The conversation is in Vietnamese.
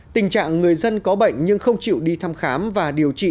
tình trạng người dân có bệnh nhưng không chịu đi thăm khám và điều trị